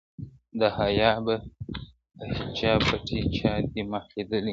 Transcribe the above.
د حیا په حجاب پټي چا دي مخ لیدلی نه دی-